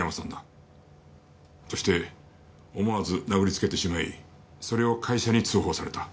そして思わず殴りつけてしまいそれを会社に通報された。